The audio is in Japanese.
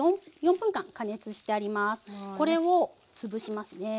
これをつぶしますね。